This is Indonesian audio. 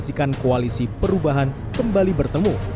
dan mengeklarasikan koalisi perubahan kembali bertemu